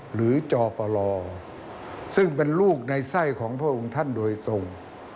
หรือจอปลซึ่งเป็นลูกในไส้ของพระองค์ท่านโดยตรง